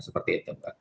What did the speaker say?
seperti itu mbak